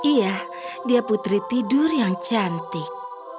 iya dia putri tidur yang cantik